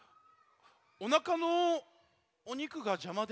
おなかのおにくがじゃまで。